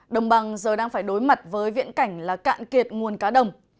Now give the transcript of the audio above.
đồng bằng giờ đang phải đối mặt với viễn cảnh là cạn kiệt nguồn cá đồng